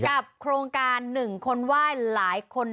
โครงการหนึ่งคนไหว้หลายคน